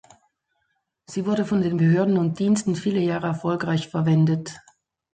Sie wurde von den Behörden und Diensten viele Jahre erfolgreich verwendet.